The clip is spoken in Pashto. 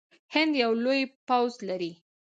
هند یو لوی پوځ لري.